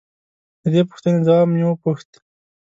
د دې پوښتنې ځواب مې وپوښت.